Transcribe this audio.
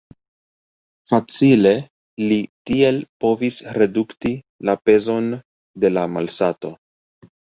Facile li tiel povis redukti la pezon de la malsato.